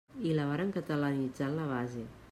I la varen catalanitzar en la base.